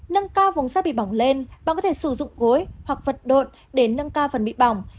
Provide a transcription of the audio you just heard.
nâng cao vùng xa bị bỏng lên bạn có thể sử dụng gối hoặc vật độn để nâng cao phần bị bỏng